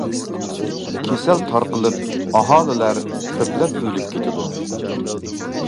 كېسەل تارقىلىپ، ئاھالىلەر كۆپلەپ ئۆلۈپ كېتىدۇ.